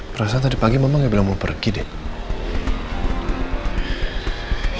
perasaan tadi pagi mama gak bilang mau pergi deh